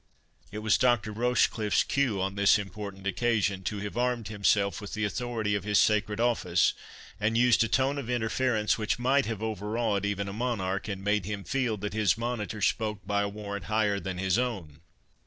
It was Dr. Rochecliffe's cue, on this important occasion, to have armed himself with the authority of his sacred office, and used a tone of interference which might have overawed even a monarch, and made him feel that his monitor spoke by a warrant higher than his own.